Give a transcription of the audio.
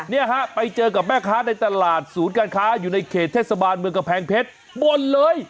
เนี่ยฮะไปเจอกับแม่ค้าในตลาดศูนย์การค้าอยู่ในเขตเทศบาลเมืองกำแพงเพชรบ่นเลย